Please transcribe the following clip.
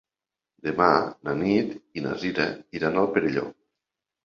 Demà na Nit i na Sira iran al Perelló.